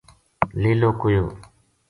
لیلو ک